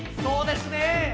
そうですね。